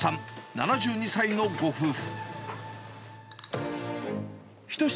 ７２歳のご夫婦。